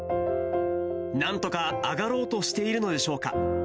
なんとか上がろうとしているのでしょうか。